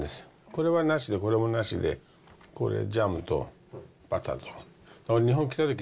これはなしで、これもなしで、これ、ジャムと、バターと。